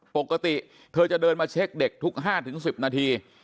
ปกติเธอจะเดินมาเช็คเด็กทุก๕๑๐นาที